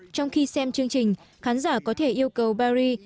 trong khi xem chương trình khán giả có thể yêu cầu paris